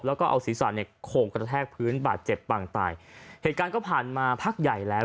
แล้วก็เอาศีรษะเนี่ยโข่งกระแทกพื้นบาดเจ็บปังตายเหตุการณ์ก็ผ่านมาพักใหญ่แล้ว